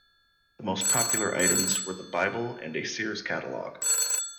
The most popular items were the Bible and a Sears catalogue.